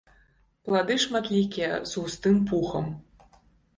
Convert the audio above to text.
Плады шматлікія, з густым пухам.